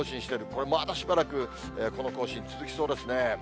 これまだしばらくこの更新、続きそうですね。